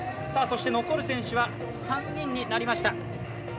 そして、残る選手は３人になりました。